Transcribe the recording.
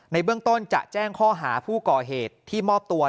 ในเบื้องต้นจะแจ้งข้อหาผู้ก่อเหตุที่มอบตัว